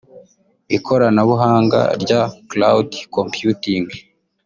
Ikoranabuhanga rya Cloud Computing